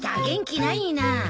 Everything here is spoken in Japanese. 元気ないな。